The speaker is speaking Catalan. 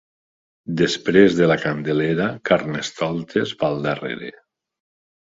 Després de la Candelera, Carnestoltes ve al darrere.